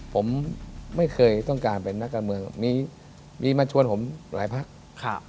ผมไม่เคยต้องการเป็นนักการเมืองมีมาชวนผมหลายพัก